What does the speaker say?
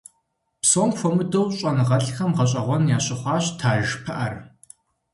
Псом хуэмыдэу щӀэныгъэлӀхэм гъэщӏэгъуэн ящыхъуащ таж пыӀэр.